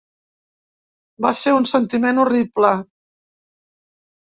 Va ser un sentiment horrible.